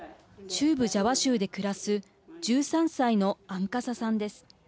中部ジャワ州で暮らす１３歳のアンカサさんです。